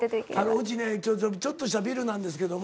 うちねちょっとしたビルなんですけども。